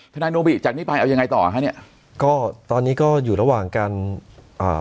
ทนายโนบิจากนี้ไปเอายังไงต่อฮะเนี้ยก็ตอนนี้ก็อยู่ระหว่างการอ่า